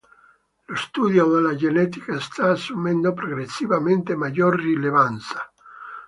Lo studio della genetica sta assumendo progressivamente maggior rilevanza.